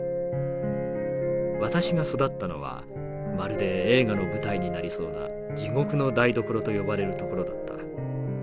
「私が育ったのはまるで映画の舞台になりそうな地獄の台所と呼ばれる所だった。